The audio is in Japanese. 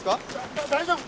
だ大丈夫！